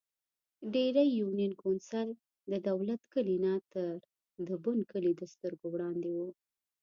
ډېرۍ يونېن کونسل ددولت کلي نه تر د بڼ کلي دسترګو وړاندې وو ـ